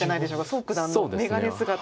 蘇九段の眼鏡姿。